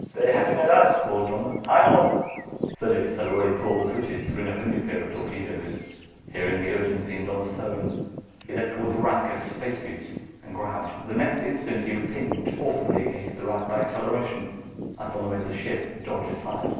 "They're heading at us!" called Donna. "Hang on!" Phillips had already pulled the switches to bring up a new pair of torpedoes. Hearing the urgency in Donna's tone, he leaped toward a rack of spacesuits and grabbed. The next instant, he was pinned forcibly against the rack by acceleration, as Donna made the ship dodge aside.